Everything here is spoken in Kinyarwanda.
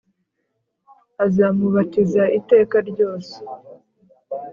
azamubatiza iteka ryose